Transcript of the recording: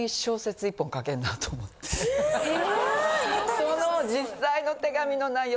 それを実際の手紙の内容